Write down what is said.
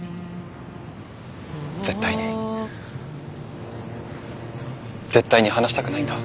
絶対に絶対に離したくないんだ。